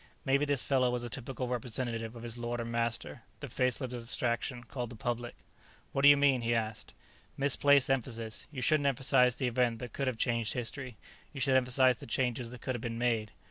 Maybe this fellow was a typical representative of his lord and master, the faceless abstraction called the Public. "What do you mean?" he asked. "Misplaced emphasis. You shouldn't emphasize the event that could have changed history; you should emphasize the changes that could have been made.